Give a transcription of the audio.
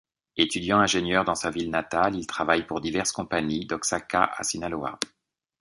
Étudiant-ingénieur dans sa ville natale, il travaille pour diverses compagnies, d'Oaxaca à Sinaloa.